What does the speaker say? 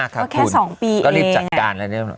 แค่๒ปีเองก็รีบจัดการแล้วเนี่ย